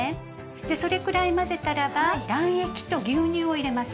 でそれくらい混ぜたらば卵液と牛乳を入れます。